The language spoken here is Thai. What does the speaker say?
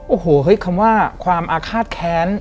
โอ้โหเฮ้ยคำว่าความอาฆาตแค้น